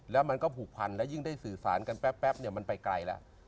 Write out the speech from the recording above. แล้วมันก็ผูกพันและยิ่งได้สื่อสารกันแป๊บเนี่ยมันไปไกลแล้ว